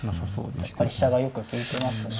やっぱり飛車がよく利いてますね。